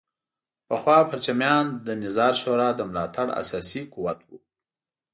پخوا پرچمیان د نظار شورا د ملاتړ اساسي قوت وو.